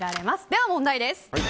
では問題です。